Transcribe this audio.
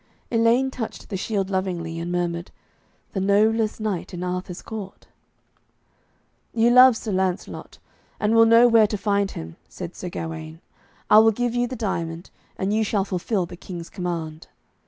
Elaine touched the shield lovingly, and murmured, 'The noblest knight in Arthur's court.' 'You love Sir Lancelot, and will know where to find him,' said Sir Gawaine. 'I will give you the diamond, and you shall fulfil the King's command.'